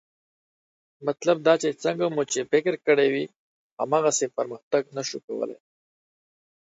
مطلب دا چې څنګه مو چې فکر کړی وي، هماغسې پرمختګ نه شو کولی